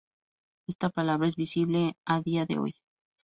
Esta palabra es visible a día de hoy.